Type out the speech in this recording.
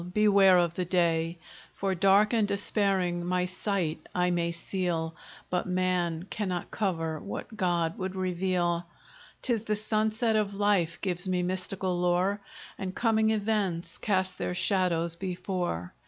beware of the day; For, dark and despairing, my sight I may seal, But man cannot cover what God would reveal; 'Tis the sunset of life gives me mystical lore, And coming events cast their shadows before.